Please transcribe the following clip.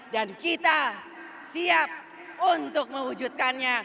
dan kita siap untuk mewujudkannya